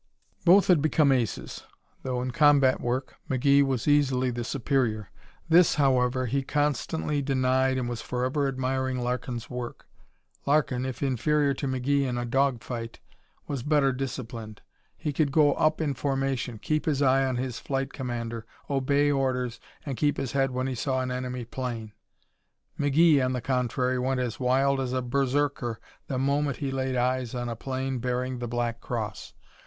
Both had become aces, though in combat work McGee was easily the superior. This, however, he constantly denied and was forever admiring Larkin's work. Larkin, if inferior to McGee in a dog fight, was better disciplined. He could go up in formation, keep his eye on his flight commander, obey orders, and keep his head when he saw an enemy plane. McGee, on the contrary, went as wild as a berserker the moment he laid eyes on a plane bearing the black cross.